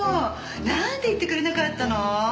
なんで言ってくれなかったの？